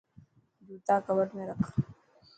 جوتا ڪٻٽ ۾ رک.